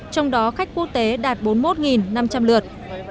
trong đó khách quốc tế đạt bốn mươi một năm trăm linh lượt